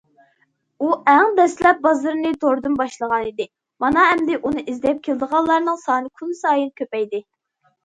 ئۇ ئەڭ دەسلەپ بازىرىنى توردىن باشلىغانىدى، مانا ئەمدى ئۇنى ئىزدەپ كېلىدىغانلارنىڭ سانى كۈنسايىن كۆپەيدى.